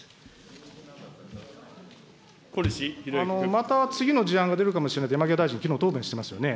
また次の事案が出るかもしれないと、山際大臣、きのう、答弁してますよね。